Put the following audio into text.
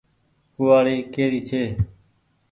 ڪوُوآڙي ڪيري ڇي ۔